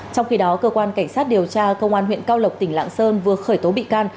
trong khi đó cơ quan cảnh sát điều tra công an huyện cao lộc tỉnh lạng sơn vừa khởi tố bị can